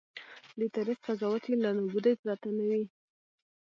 د تاریخ قضاوت یې له نابودۍ پرته نه وي.